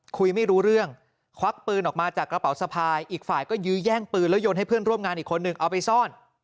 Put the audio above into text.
คุยไม่รู้เรื่องควักปืนออกมาจากกระเป๋าสะพายอีกฝ่ายก็ยื้อแย่งปืนแล้วโยนให้เพื่อนร่วมงานอีกคนนึงเอาไปซ่อน